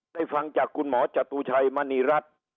แต่ฝังจากคุณหมอจตุชัยมนิรัติ